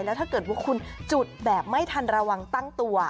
แล้วถ้าเกิดว่าคุณจุดแบบไม่ทันระวังตั้งตัว